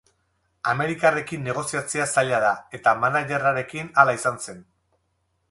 Amerikarrekin negoziatzea zaila da, eta managerrarekin hala izan zen.